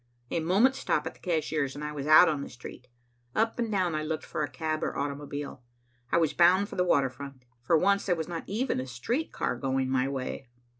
A moment's stop at the cashier's, and I was out on the street. Up and down I looked for cab or automobile. I was bound for the water front. For once, there was not even a street car going my way.